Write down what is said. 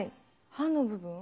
刃の部分？